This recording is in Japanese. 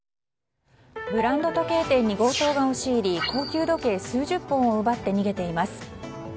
ブランド時計店に強盗が押し入り高級時計数十本を奪って逃げています。